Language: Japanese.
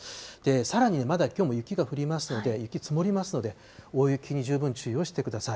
さらにまだきょうも雪が降りますので、雪積もりますので、大雪に十分注意をしてください。